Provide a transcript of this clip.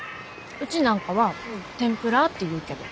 うちなんかはてんぷらーって言うけど。